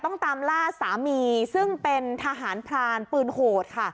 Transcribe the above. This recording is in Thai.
ต้องตามล่าสามีซึ่งเป็นทหารพรานปืนโหดค่ะ